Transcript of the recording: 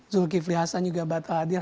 zulkifli hasan juga batal hadir